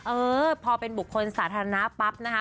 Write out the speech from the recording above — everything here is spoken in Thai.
เออพอเป็นบุคคลสาธารณะปั๊บนะคะ